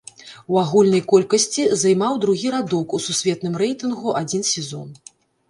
У агульнай колькасці займаў другі радок у сусветным рэйтынгу адзін сезон.